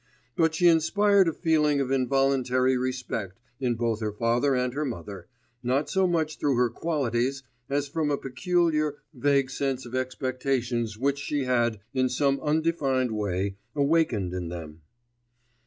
But she inspired a feeling of involuntary respect in both her father and her mother, not so much through her qualities, as from a peculiar, vague sense of expectations which she had, in some undefined way, awakened in them.